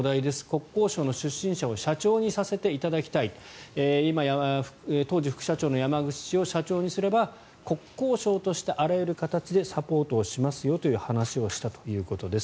国交省の出身者を社長にさせていただきたい当時副社長の山口氏を社長にすれば国交省としてあらゆる形でサポートしますよという話をしたということです。